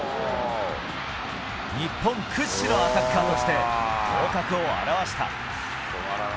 日本屈指のアタッカーとして、頭角を現した。